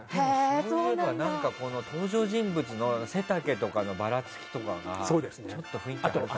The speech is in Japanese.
そういえば登場人物の背丈とかのばらつきとかが雰囲気ありますよね。